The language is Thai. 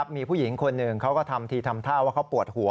มีผู้หญิงคนหนึ่งเขาก็ทำทีทำท่าว่าเขาปวดหัว